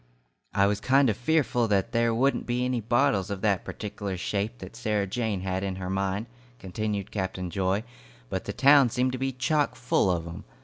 "I was kind of fearful that there wouldn't be any bottles of that pertikeler shape that Sarah Jane had in her mind," continued Captain Joy, "but the town seemed to be chock full of 'em.